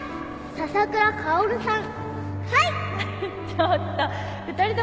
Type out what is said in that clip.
笹倉薫さん